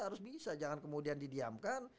harus bisa jangan kemudian didiamkan